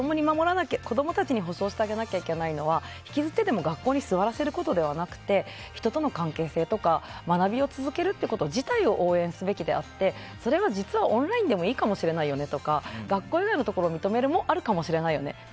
子供たちに保証してあげなきゃいけないのは引きずってでも学校に座らせることではなくて人との関係性とか学びを続けること自体を応援すべきであってそれはオンラインでもいいかもしれないよねとか学校以外でも認めるところあるかもしれないよねって